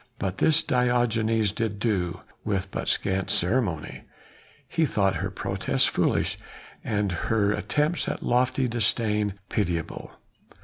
But this Diogenes did do, with but scant ceremony; he thought her protests foolish, and her attempts at lofty disdain pitiable.